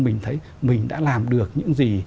mình thấy mình đã làm được những gì